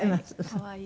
可愛い。